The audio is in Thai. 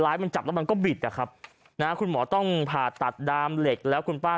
มันจับแล้วมันก็บิดนะครับนะคุณหมอต้องผ่าตัดดามเหล็กแล้วคุณป้า